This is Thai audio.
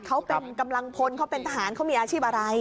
เขาเป็นกำลังพลเขาเป็นทหารเขามีอาชีพอะไร